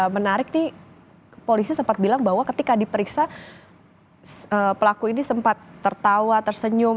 menarik nih polisi sempat bilang bahwa ketika diperiksa pelaku ini sempat tertawa tersenyum